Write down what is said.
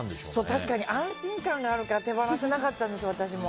確かに安心感があるから手放せなかったんです。